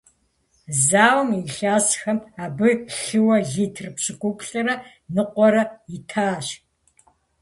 Зауэм и илъэсхэм абы лъыуэ литр пщыкӏуплӏрэ ныкъуэрэ итащ.